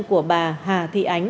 của bà hà thị ánh